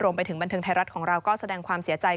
ไปถึงบันเทิงไทยรัฐของเราก็แสดงความเสียใจ